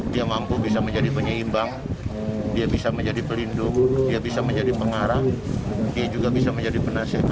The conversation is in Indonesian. dia mampu bisa menjadi penyeimbang dia bisa menjadi pelindung dia bisa menjadi pengarang dia juga bisa menjadi penasihat